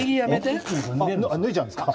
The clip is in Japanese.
脱いじゃうんですか？